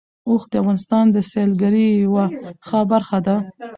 اوښ د افغانستان د سیلګرۍ یوه ښه برخه ده.